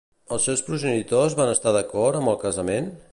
Els seus progenitors van estar d'acord amb el casament?